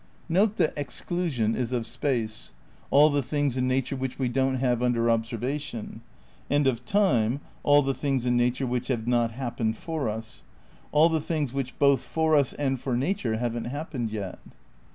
Note that exclusion is of space — all the things in na ture which we don't have under observation — and of time, all the things in nature which have not happened for us ; all the things which both for us and for nature haven't happened yet.